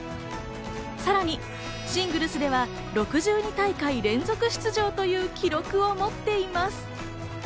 さらにシングルスでは６２大会連続出場という記録を持っています。